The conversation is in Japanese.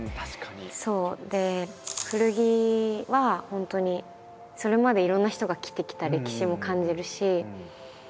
古着は本当にそれまでいろんな人が着てきた歴史も感じるし。